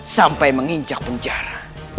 sampai menginjak penjara